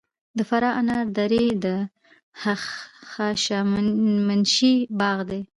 د فراه انار درې د هخامنشي باغ دی